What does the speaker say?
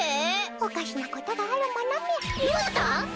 おかしなことがあるものみゃ。